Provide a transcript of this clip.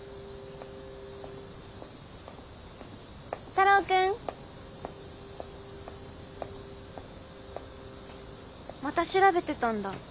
太郎君。また調べてたんだ。